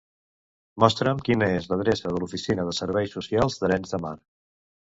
Mostra'm quina és l'adreça de l'oficina de serveis socials d'Arenys de Mar.